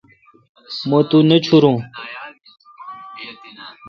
مہ تو نہ چورو۔